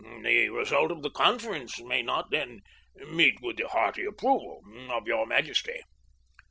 The result of the conference may not, then, meet with the hearty approval of your majesty."